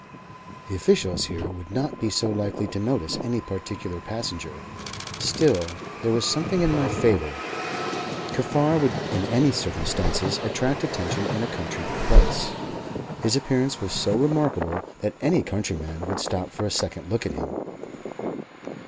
The officials here would not be so likely to notice any particular passenger. Still there was something in my favour. Kaffar would in any circumstances attract attention in a country place. His appearance was so remarkable, that any countryman would stop for a second look at him.